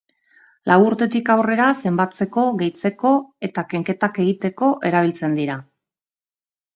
Lau urtetik aurrera zenbatzeko, gehitzeko eta kenketak egiteko erabiltzen dira.